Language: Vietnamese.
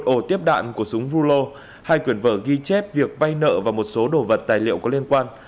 ổ tiếp đạn của súng rulo hai quyển vở ghi chép việc vay nợ và một số đồ vật tài liệu có liên quan